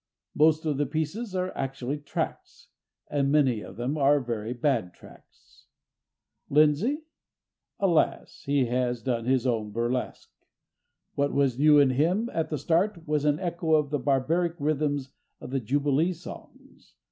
Most of the pieces are actually tracts, and many of them are very bad tracts. Lindsay? Alas, he has done his own burlesque. What was new in him, at the start, was an echo of the barbaric rhythms of the Jubilee Songs.